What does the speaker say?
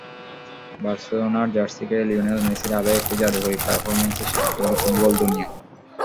বার্সেলোনার জার্সি গায়ে লিওনেল মেসির আরও একটি জাদুকরী পারফরম্যান্সের সাক্ষী হলো ফুটবল দুনিয়া।